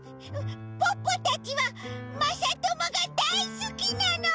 ポッポたちはまさともがだいすきなの！